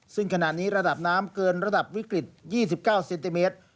ซึ่งขณะนี้ระดับน้ำเกินระดับวิกฤต๒๙เซนติเมตร